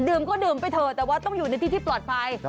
ดื่มไปเถอะแต่ว่าต้องอยู่ในที่ที่ปลอดภัย